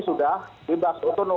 sudah bebas otonom